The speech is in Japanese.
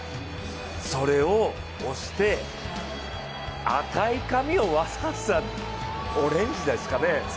それを押して赤い髪を、わざわざオレンジですかね。